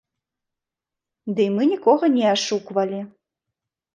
Дый, мы нікога не ашуквалі.